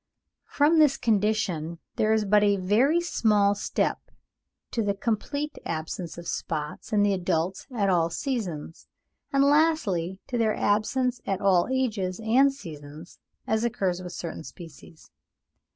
From this condition there is but a very small step to the complete absence of spots in the adults at all seasons; and, lastly, to their absence at all ages and seasons, as occurs with certain species.